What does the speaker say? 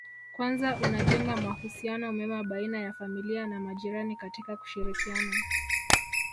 Kwanza unajenga mahusiano mema baina ya familia na majirani katika kushirikiana